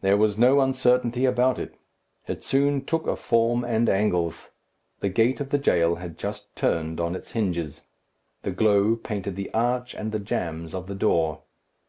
There was no uncertainty about it. It soon took a form and angles. The gate of the jail had just turned on its hinges. The glow painted the arch and the jambs of the door.